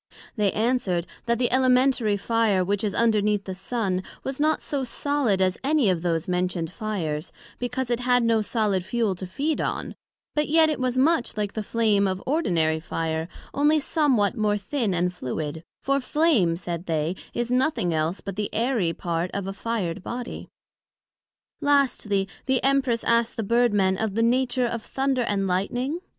They answered, That the Elementary Fire, which is underneath the Sun, was not so solid as any of those mentioned fires; because it had no solid fuel to feed on; but yet it was much like the flame of ordinary fire, onely somewhat more thin and fluid; for Flame, said they, is nothing else but the airy part of a fired Body. Lastly, the Empress asked the Bird men of the nature of Thunder and Lightning?